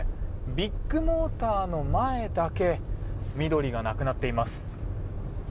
ビッグモーターの前だけ緑がなくなっています。